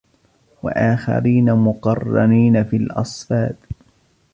وَآخَرِينَ مُقَرَّنِينَ فِي الْأَصْفَادِ